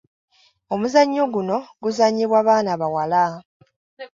Omuzannyo guno guzannyibwa baana bawala.